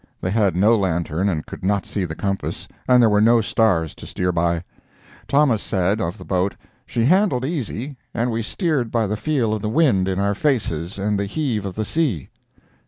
They had no lantern and could not see the compass, and there were no stars to steer by. Thomas said, of the boat "She handled easy, and we steered by the feel of the wind in our faces and the heave of the sea."